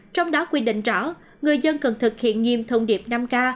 trong đó quy định rõ người dân cần thực hiện nghiêm thông điệp năm k